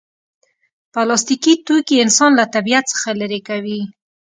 پلاستيکي توکي انسان له طبیعت څخه لرې کوي.